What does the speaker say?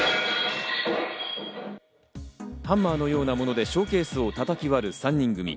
ハンマーのようなものでショーケースを叩き割る３人組。